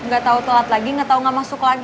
gatau telat lagi gatau gak masuk lagi